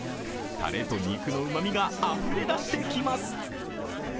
たれと肉のうまみがあふれ出してきます。